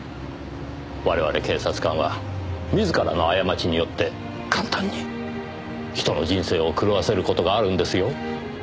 我々警察官は自らの過ちによって簡単に人の人生を狂わせる事があるんですよ。